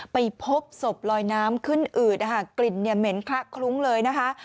ไปพบศพลอยน้ำขึ้นอืดนะคะกลิ่นเหม็นคละคลุ้งเลยนะคะ